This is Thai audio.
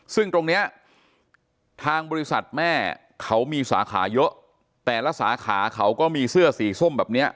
ซึ่งตรงเนี้ยทางบริษัทแม่เขามีสาขาเยอะแต่ละสาขาเขาก็มีเสื้อสีส้มแบบเนี้ย